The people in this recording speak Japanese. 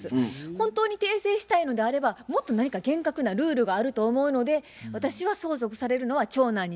本当に訂正したいのであればもっと何か厳格なルールがあると思うので私は相続されるのは長男になると思います。